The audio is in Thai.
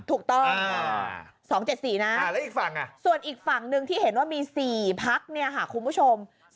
ถูกต้อง๒๗๔นะแล้วอีกฝั่งส่วนอีกฝั่งหนึ่งที่เห็นว่ามี๔พักเนี่ยค่ะคุณผู้ชม